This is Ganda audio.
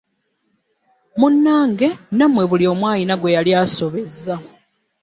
Munnange nammwe buli omu alina gwe yali asobezza.